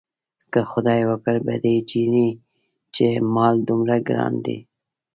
که خدای وکړ په دې چیني چې مال دومره ګران دی.